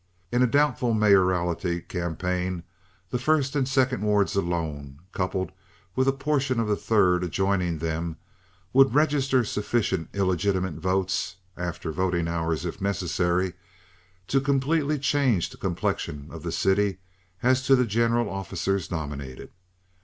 In a doubtful mayoralty campaign the first and second wards alone, coupled with a portion of the third adjoining them, would register sufficient illegitimate votes (after voting hours, if necessary) to completely change the complexion of the city as to the general officers nominated.